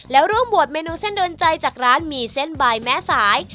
แล้วร่วมบวชเมนูเส้นโดนใจจากร้านมีเส้นบายแม่สาย